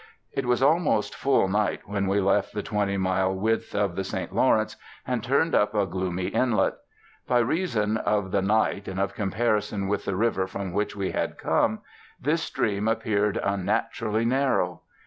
It was almost full night when we left the twenty mile width of the St Lawrence, and turned up a gloomy inlet. By reason of the night and of comparison with the river from which we had come, this stream appeared unnaturally narrow.